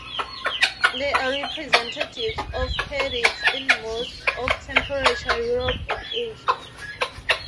There are representatives of Perdix in most of temperate Europe and Asia.